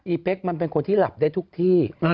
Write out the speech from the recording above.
เป๊กมันเป็นคนที่หลับได้ทุกที่